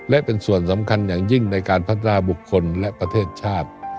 และเป็นส่วนสำคัญอย่างยิ่งในการพัฒนาบุคคลและประเทศชาติ